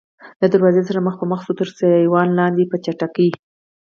له دروازې سره مخ په مخ شوو، تر سایوان لاندې په چټک کې.